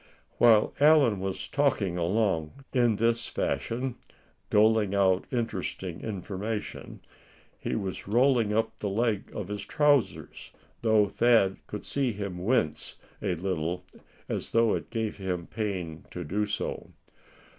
While Allan was talking along in this fashion, doling out interesting information, he was rolling up the leg of his trousers, though Thad could see him wince a little as though it gave him pain to do so.